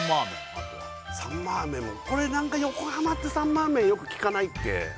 あとはサンマーメンもこれ何か横浜ってサンマーメンよく聞かないっけ？